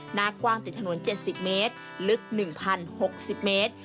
หน้ากว้างติดถนน๗๐เมตรลึก๑๐๖๐เมตร